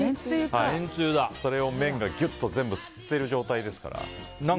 それを麺がぎゅっとしっかり吸ってる状態ですから。